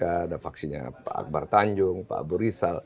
ada faksinya pak akbar tanjung pak abu rizal